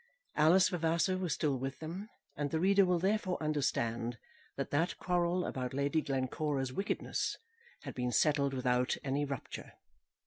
Alice Vavasor was still with them; and the reader will therefore understand that that quarrel about Lady Glencora's wickedness had been settled without any rupture.